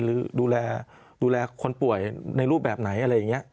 ดูแลคนป่วยในรูปแบบไหนอะไรอย่างนี้